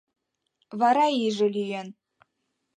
Вара иже лӱен.